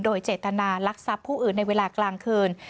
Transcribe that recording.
โดยเจตนารักทรัพย์ผู้อื่นในเวลากลางคืน